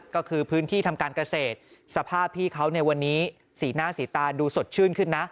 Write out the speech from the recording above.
ก็คือพื้นที่ทำการเกษตรสภาพพี่เขาในวันนี้สีหน้าสีตาดูสดชื่นขึ้นนะ